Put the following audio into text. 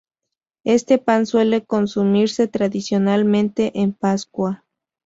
Este pan suele consumirse tradicionalmente en Pascua.